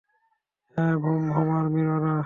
হ্যাঁ, vroom vroom আর্মির ওরা!